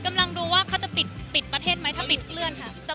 ดูว่าเขาจะปิดประเทศไหมถ้าปิดเคลื่อนค่ะ